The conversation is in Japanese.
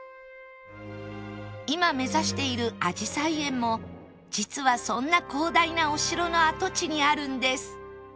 今目指しているあじさい園も実はそんな広大なお城の跡地にあるんです